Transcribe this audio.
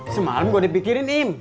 semalam gue dipikirin im